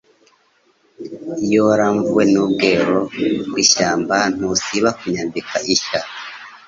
Iyo waramvuwe ni Bwero bw'ishyamba ntusiba kunyambika ishya,